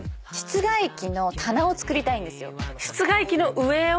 室外機の上を？